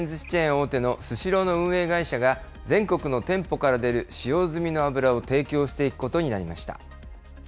大手のスシローの運営会社が、全国の店舗から出る使用済みの油を提供していくことになりました。